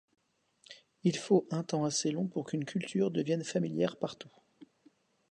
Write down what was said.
Il faut un temps assez long pour qu’une culture devienne familière partout.